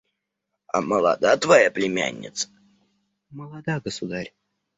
– «А молода твоя племянница?» – «Молода, государь».